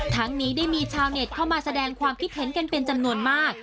ทั้งนี้ได้มีชาวเน็ตเข้ามาแสดงความคิดเห็นกันเป็นจำนวนมาก